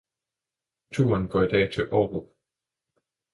Turen går i dag til Aarup